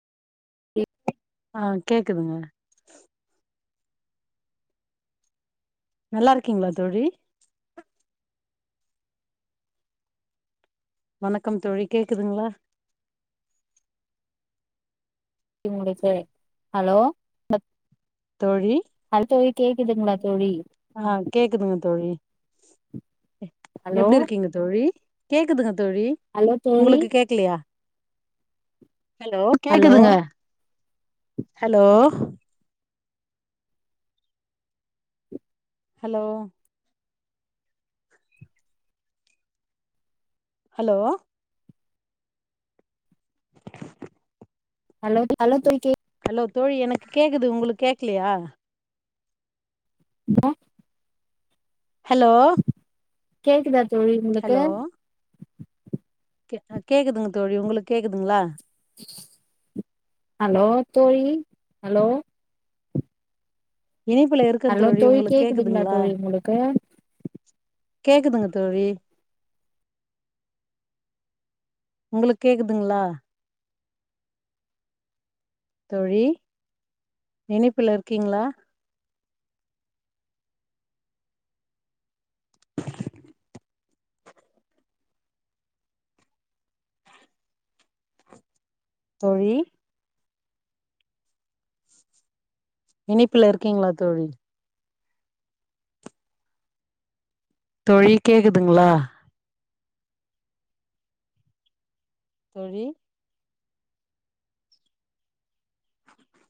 ஆ கேக்குதுங்க நல்லா இருக்கீங்ளா தோழி வணக்கம் தோழி கேக்குதுங்ளா [unintelligible] ஹலோ தோழி அது தோழி கேக்குதுங்ளா தோழி ஆ கேக்குதுங்க தோழி ஹலோ எப்டி இருக்கீங்க தோழி கேக்குதுங்க தோழி ஹலோ தோழி உங்களுக்கு கேக்லையா ஹலோ ஹலோ கேக்குதுங்க hello hello hello hello hello தோழி கேக் ஹலோ தோழி எனக்கு கேக்குது உங்ளுக்கு கேக்லையா [unintelligible] ஹலோ கேக்குதா தோழி உங்ளுக்கு ஹலோ கே அ கேக்குதுங்க தோழி உங்ளுக்கு கேக்குதுங்ளா ஹலோ தோழி ஹலோ இனைப்புல இருக்க ஹலோ தோழி உங்ளுக்கு கேக்குதுங்களா கேக்குதுங்ளா தோழி உங்களுக்கு கேக்குதுங்க தோழி உங்ளுக்கு கேக்குதுங்ளா தோழி இனைப்புல இருக்கீங்ளா தோழி இனைப்புல இருக்கீங்ளா தோழி தோழி கேக்குதுங்ளா தோழி